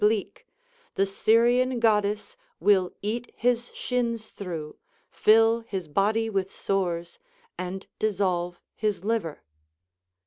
181 bleak, the Syrian Goddess will eat his shins through, fill his body with sores, and dissolve his liver.